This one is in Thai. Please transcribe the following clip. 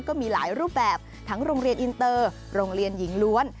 ก็มีหลายรูปแบบทั้งโรงเรียนอินเตอร์โรงเรียนหญิงล้วน